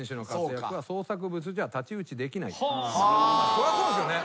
そりゃそうですよね。